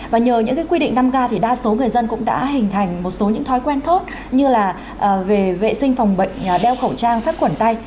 và nhờ những cái quy định năm k thì đa số người dân cũng đã hình thành một số những thói quen thốt như là về vệ sinh phòng bệnh đeo khẩu trang sát quẩn tay